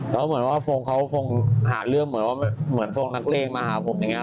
แล้วเหมือนว่าฟงเขาคงหาเรื่องเหมือนว่าเหมือนทรงนักเลงมาหาผมอย่างนี้